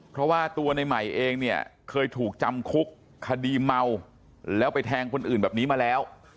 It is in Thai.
เพราะว่าตัวในใหม่เองเนี่ยเคยถูกจำคุกคดีเมาแล้วไปแทงคนอื่นแบบนี้มาแล้ว